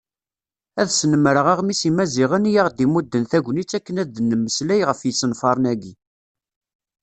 Ad snemreɣ Aɣmis n Yimaziɣen i aɣ-d-imudden tagnit akken ad d-nemmeslay ɣef yisenfaren-agi.